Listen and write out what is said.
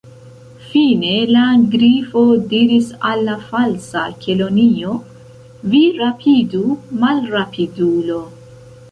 Fine, la Grifo diris al la Falsa Kelonio: "Vi rapidu, malrapidulo! «